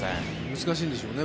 難しいんでしょうね。